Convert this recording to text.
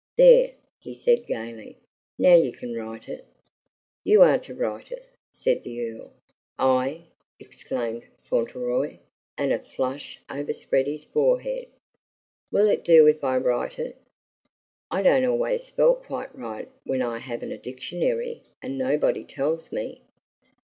"There!" he said gayly, "now you can write it." "You are to write it," said the Earl. "I!" exclaimed Fauntleroy, and a flush overspread his forehead. "Will it do if I write it? I don't always spell quite right when I haven't a dictionary, and nobody tells me."